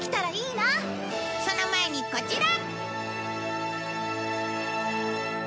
その前にこちら！